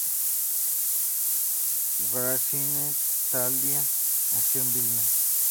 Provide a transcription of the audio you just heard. Gražinytė-Tyla nació en Vilna.